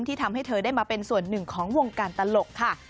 ทำให้เธอได้มาเป็นส่วนหนึ่งของวงการตลกค่ะ